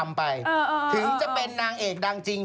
ไปถึงจะเป็นนางเอกดังจริง